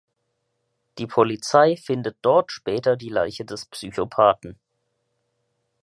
Die Polizei findet dort später die Leiche des Psychopathen.